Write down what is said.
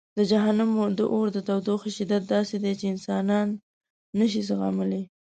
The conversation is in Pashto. د جهنم د اور د تودوخې شدت داسې دی چې انسانان نه شي زغملی.